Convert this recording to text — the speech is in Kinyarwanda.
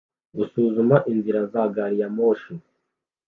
gusuzuma inzira za gari ya moshi